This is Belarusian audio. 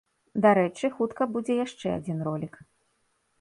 Дарэчы, хутка будзе яшчэ адзін ролік.